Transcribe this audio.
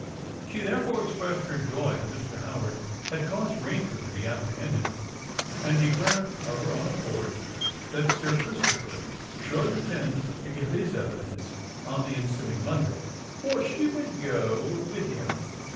She therefore expressed her joy that Mr. Howard had caused Rainford to be apprehended, and declared, of her own accord, that Sir Christopher should attend to give his evidence on the ensuing Monday—"for she would go with him!"